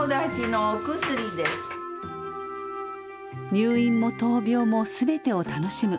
入院も闘病も全てを楽しむ。